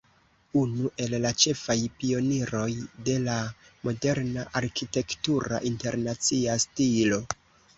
Unu el la ĉefaj pioniroj de la moderna arkitektura internacia stilo.